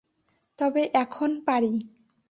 তবে এখন পারি।